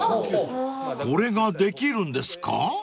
［これができるんですか？］